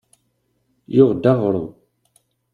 Yuɣ-d aɣrum.